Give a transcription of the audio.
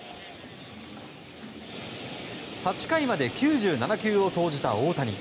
８回まで９７球を投じた大谷。